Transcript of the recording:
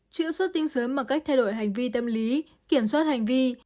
chữa sốt tinh sớm bằng cách thay đổi hành vi tâm lý kiểm soát hành vi